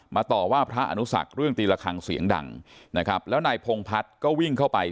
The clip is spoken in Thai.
พระอาณุศักดิ์เรื่องตีละครั้งเสียงดังนะครับแล้วนายพงภัทรก็วิ่งเข้าไป